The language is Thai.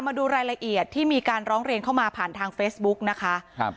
มาดูรายละเอียดที่มีการร้องเรียนเข้ามาผ่านทางเฟซบุ๊กนะคะครับ